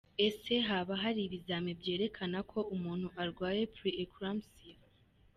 Ese haba hari ibizamini byerekana ko umuntu arwaye pre-eclampsia?.